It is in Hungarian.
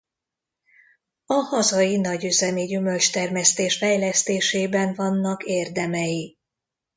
A hazai nagyüzemi gyümölcstermesztés fejlesztésében vannak érdemei.